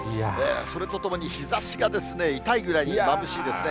それとともに、日ざしが痛いくらいにまぶしいですね。